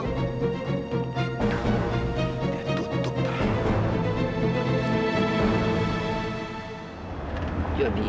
dia tutup pak